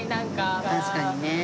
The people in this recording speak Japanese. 確かにねえ。